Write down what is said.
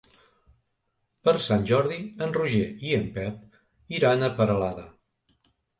Per Sant Jordi en Roger i en Pep iran a Peralada.